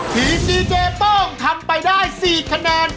ทีมดีเจโต้งทำไปได้๔คะแนน